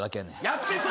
やってさ！